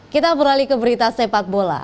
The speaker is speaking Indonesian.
kita beralih ke berita sepak bola